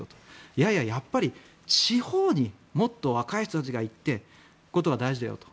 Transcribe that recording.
いやいや、やっぱり地方にもっと若い人たちが行くことが大事だよと。